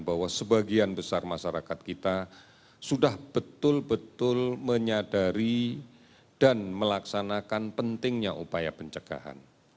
bahwa sebagian besar masyarakat kita sudah betul betul menyadari dan melaksanakan pentingnya upaya pencegahan